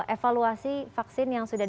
evaluasi vaksin yang sudah